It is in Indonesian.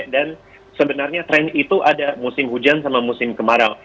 dan sebenarnya tren itu ada musim hujan sama musim kemarau